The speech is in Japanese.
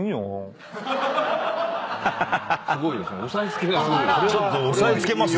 すごいですね。